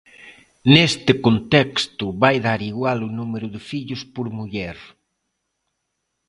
Neste contexto vai dar igual o número de fillos por muller.